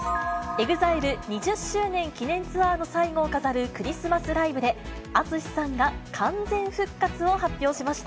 ＥＸＩＬＥ２０周年記念ツアーの最後を飾るクリスマスライブで、ＡＴＳＵＳＨＩさんが完全復活を発表しました。